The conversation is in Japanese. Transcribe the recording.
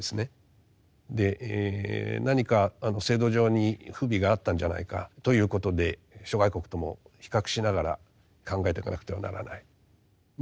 何か制度上に不備があったんじゃないかということで諸外国とも比較しながら考えていかなくてはならないまあ